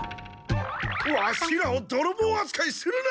ワシらをどろぼうあつかいするな！